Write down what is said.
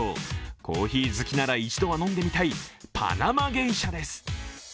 コーヒー好きなら一度は飲んでみたいパナマゲイシャです。